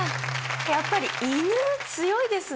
やっぱり犬強いですね。